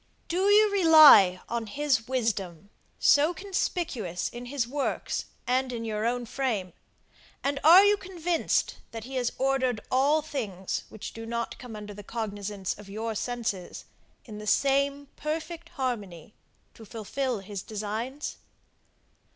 Do you rely on his wisdom, so conspicuous in his works, and in your own frame, and are you convinced, that he has ordered all things which do not come under the cognizance of your senses, in the same perfect harmony, to fulfil his designs?